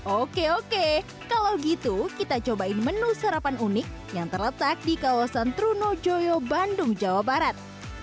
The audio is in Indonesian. oke oke kalau gitu kita cobain menu sarapan unik yang terletak di kawasan trunojoyo bandung jawa barat